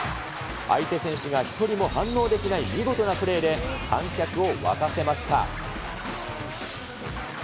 相手選手が１人も反応できない見事なプレーで、観客を沸かせました。